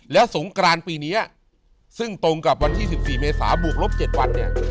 แล้วสงกรานปีนี้ซึ่งตรงกับวันที่๑๔เมษาบวกลบ๗วันเนี่ย